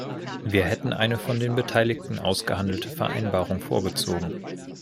Wir hätten eine von den Beteiligten ausgehandelte Vereinbarung vorgezogen.